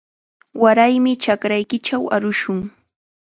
Waraymi chakraykichaw arushun.